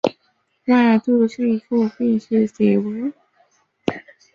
卡拉韦拉什是葡萄牙布拉干萨区的一个堂区。